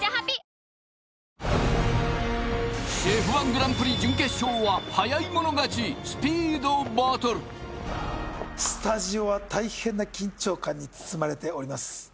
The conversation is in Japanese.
ＣＨＥＦ−１グランプリ準決勝早い者勝ちスピードバトルスタジオは大変な緊張感に包まれております